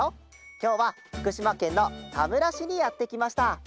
きょうはふくしまけんのたむらしにやってきました。